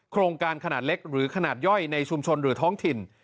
โครงการขนาดเล็กหรือขนาดย่อยในชุมชนหรือท้องถิ่น